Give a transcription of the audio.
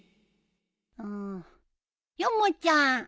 うんヨモちゃん。